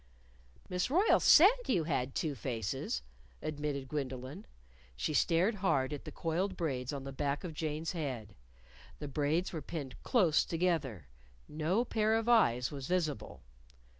"Miss Royle said you had two faces," admitted Gwendolyn. She stared hard at the coiled braids on the back of Jane's head. The braids were pinned close together. No pair of eyes was visible.